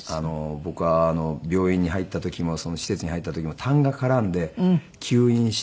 僕は病院に入った時もその施設に入った時も痰が絡んで吸引してですね。